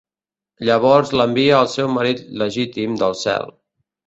Llavors l'envia al seu marit legítim del cel.